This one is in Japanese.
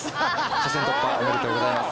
初戦突破おめでとうございます。